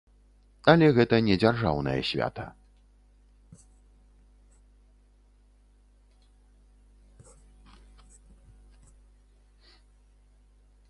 Але гэта не дзяржаўнае свята.